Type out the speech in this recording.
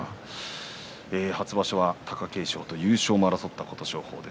初場所は貴景勝と優勝を争った琴勝峰。